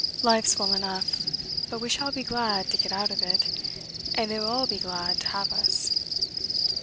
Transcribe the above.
Life's well enough; but we shall be glad to get out of it, and they will all be glad to have us.